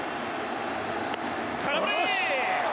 空振り！